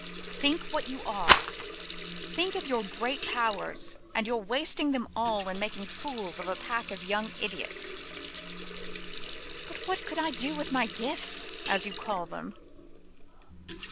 Think what you are! Think of your great powers and you are wasting them all in making fools of a pack of young idiots " "But what could I do with my gifts as you call them?"